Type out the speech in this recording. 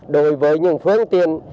đối với những phương tiện